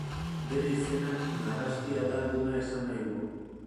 Bere izenak narrasti adarduna esan nahi du.